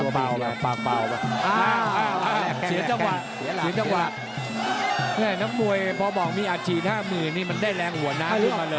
แม่นักมวยพอบอกมีอัดฉีด๕๐๐๐นี่มันได้แรงหัวน้ำขึ้นมาเลย